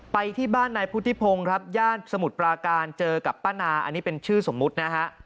ไปที่บ้านนายพุทธิพงศ์ครับย่านสมุทรปราการเจอกับป้านาอันนี้เป็นชื่อสมมุตินะฮะ